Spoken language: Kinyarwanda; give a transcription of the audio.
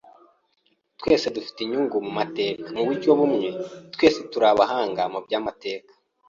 Twese dufite inyungu mu mateka. Mu buryo bumwe, twese turi abahanga mu by'amateka.